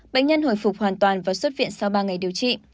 bệnh nhân hồi phục hoàn toàn và xuất viện sau ba ngày điều trị